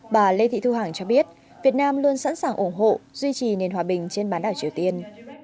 bà lê thị thu hằng cho biết việt nam luôn sẵn sàng ủng hộ duy trì nền hòa bình trên bán đảo triều tiên